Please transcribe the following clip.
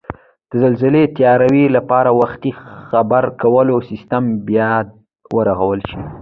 د زلزلې تیاري لپاره وختي خبرکولو سیستم بیاد ورغول شي